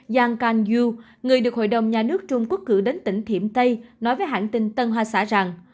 yang kang yu người được hội đồng nhà nước trung quốc cử đến tỉnh thiểm tây nói với hãng tin tân hoa xã rằng